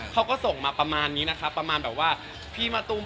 เขาก็มาก็ส่งตัวอย่างนี้ว่า